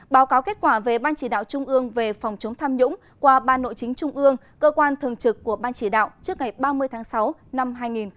báo cáo kết quả về ban chỉ đạo trung ương về phòng chống tham nhũng qua ban nội chính trung ương cơ quan thường trực của ban chỉ đạo trước ngày ba mươi tháng sáu năm hai nghìn một mươi chín